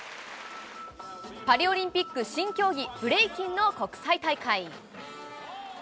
パリオリンピック新競技、ブレイキンの国際大会。